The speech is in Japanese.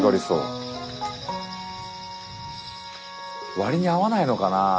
割に合わないのかな？